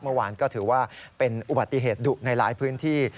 เมื่อวานก็ถือว่าเป็นอุบัติเหตุดุในหลายพื้นที่